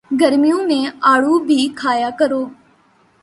گرمیوں میں آڑو بھی کھایا کرو